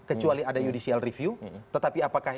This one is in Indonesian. kecuali ada judicial review tetapi apakah